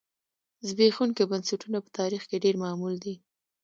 زبېښونکي بنسټونه په تاریخ کې ډېر معمول دي.